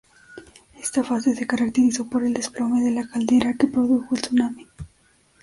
Esta fase se caracterizó por el desplome de la caldera, que produjo el tsunami.